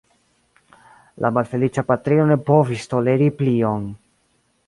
La malfeliĉa patrino ne povis toleri plion.